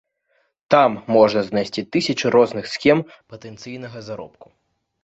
Там можна знайсці тысячы розных схем патэнцыйнага заробку.